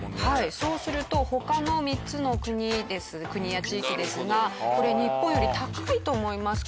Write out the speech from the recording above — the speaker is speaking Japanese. そうすると他の３つの国や地域ですがこれ日本より高いと思いますか？